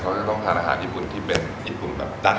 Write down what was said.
เขาจะต้องทานอาหารญี่ปุ่นที่เป็น